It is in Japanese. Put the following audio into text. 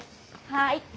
はい。